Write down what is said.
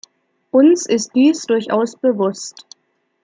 Uns ist dies durchaus bewusst.